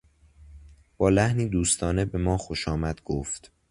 با لحنی دوستانه به ما خوشامد گفت.